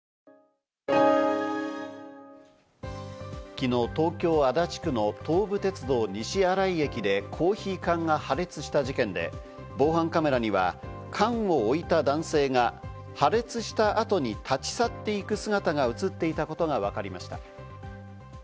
昨日、東京・足立区の東武鉄道・西新井駅でコーヒー缶が破裂した事件で防犯カメラには、缶を置いた男性が破裂した後に立ち去っていく姿が映っていたことがわかりました。